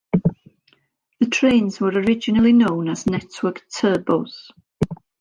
The trains were originally known as Network Turbos.